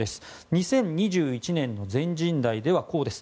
２０２１年の全人代ではこうです。